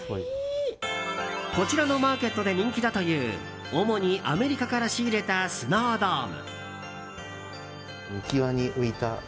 こちらのマーケットで人気だという主にアメリカから仕入れたスノードーム。